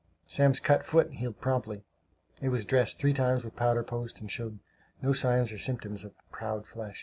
Sam's cut foot healed promptly. It was dressed three times with powder post, and showed no sign or symptoms of "proud flesh."